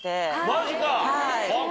マジか。